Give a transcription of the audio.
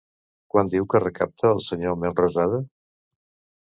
Quant diu que recapta el senyor Melrosada?